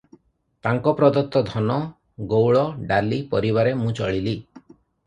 ତାଙ୍କପ୍ରଦତ୍ତ ଧନ, ଗଉଳ, ଡାଲି, ପରିବାରେ ମୁଁ ଚଳିଲି ।